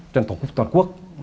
trên tổ quốc toàn quốc